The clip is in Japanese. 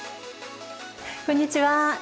こんにちは。